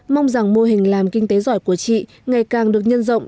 mong rằng mô hình làm kinh tế giỏi của chị ngày càng được nhân rộng